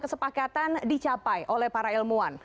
kesepakatan dicapai oleh para ilmuwan